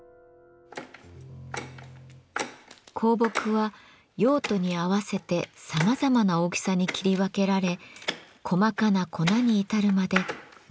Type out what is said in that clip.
香木は用途に合わせてさまざまな大きさに切り分けられ細かな粉に至るまで残さず大切に使われます。